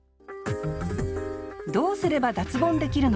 どうすれば脱ボンできるのか。